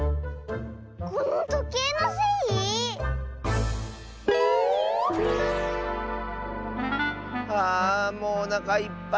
このとけいのせい⁉はあもうおなかいっぱい。